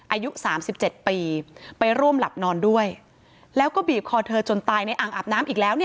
อายุ๓๗ปีไปร่วมหลับนอนด้วยแล้วก็บีบคอเธอจนตายในอ่างอาบน้ำอีกแล้ว